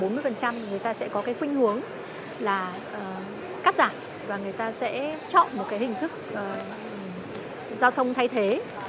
thì người ta sẽ có cái khuyên hướng là cắt giảm và người ta sẽ chọn một cái hình thức giao thông thay thế